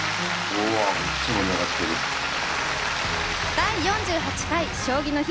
「第４８回将棋の日」